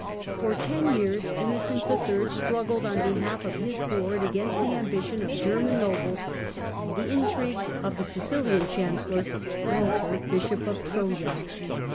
For tea years Innocent III. struggled on behalf of his ward against the ambition of German nobles and the intrigues of the Sicilian chancellor, Walter Bishop of Tfoja.